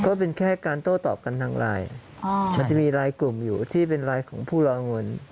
ก็เป็นแค่การโต้ตอบกันทางไลน์มันจะมีรายกลุ่มอยู่ที่เป็นลายของผู้รอเงิน